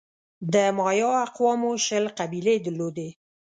د مایا اقوامو شل قبیلې درلودې.